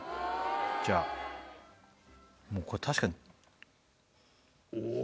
じゃあもうこれ確かにおお！